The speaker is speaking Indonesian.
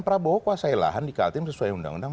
prabowo kuasai lahan dikaltim sesuai undang undang